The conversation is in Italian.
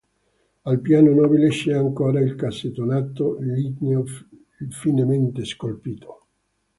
Al piano nobile c'è ancora il cassettonato ligneo finemente scolpito.